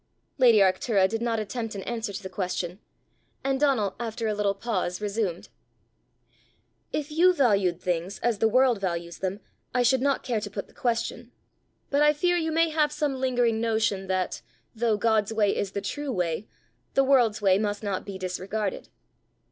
Lady Arctura did not attempt an answer to the question, and Donal, after a little pause, resumed. "If you valued things as the world values them, I should not care to put the question; but I fear you may have some lingering notion that, though God's way is the true way, the world's way must not be disregarded.